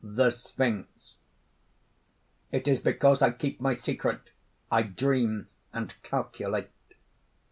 THE SPHINX. "It is because I keep my secret; I dream and calculate.